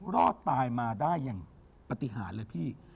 รอดตายมาได้อย่างปฏิหารเลยพี่